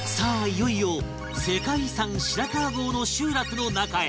いよいよ世界遺産白川郷の集落の中へ